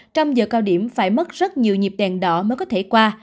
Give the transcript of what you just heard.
trong giờ cao điểm phải mất rất nhiều nhịp đèn đỏ mới có thể qua